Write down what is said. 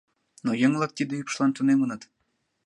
Но еҥ-влак тиде ӱпшлан тунемыныт.